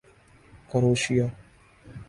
کروشیا